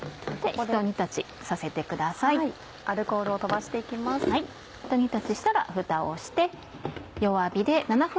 ひと煮立ちしたらフタをして。